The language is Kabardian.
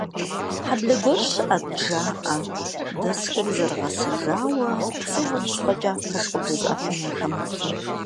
Хьэблэ гуэр щыӀэт, жаӀэ, дэсхэр зэрыгъэсэжауэ, пцӀы яупс фӀэкӀа, пэж къыбжезыӀэфын яхэмыту.